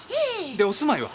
でお住まいは？